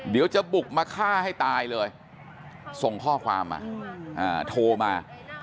เดี๋ยวจะบุกมาฆ่าให้ตายเลยส่งข้อความมาโทรมา